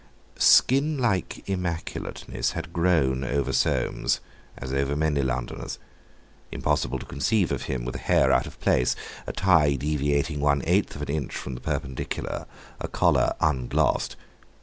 Skin like immaculateness had grown over Soames, as over many Londoners; impossible to conceive of him with a hair out of place, a tie deviating one eighth of an inch from the perpendicular, a collar unglossed!